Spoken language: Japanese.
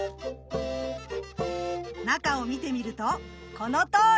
中を見てみるとこのとおり。